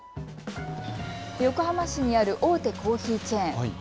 横浜市にある大手コーヒーチェーン。